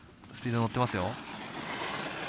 スピードに乗っていますよ。